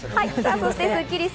そしてスッキりす。